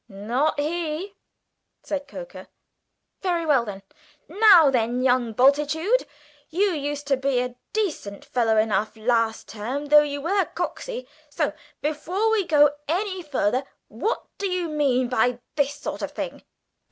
"Not he!" said Coker. "Very well, then. Now then, young Bultitude, you used to be a decent fellow enough last term, though you were coxy. So, before we go any further what do you mean by this sort of thing?"